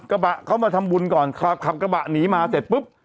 กระบะเขามาทำบุญก่อนขับกระบะหนีมาเสร็จปุ๊บ